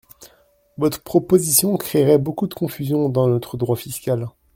Votre proposition créerait beaucoup de confusion dans notre droit fiscal.